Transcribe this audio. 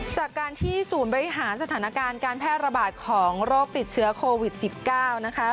จากการที่ศูนย์บริหารสถานการณ์การแพร่ระบาดของโรคติดเชื้อโควิด๑๙นะคะ